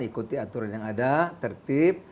ikuti aturan yang ada tertib